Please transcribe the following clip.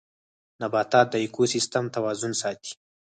نباتات د ايکوسيستم توازن ساتي